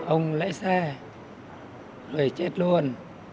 ông lấy xe rồi chết luôn